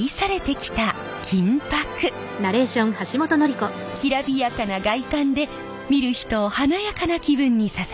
きらびやかな外観で見る人を華やかな気分にさせます。